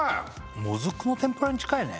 もずくの天ぷらに近いね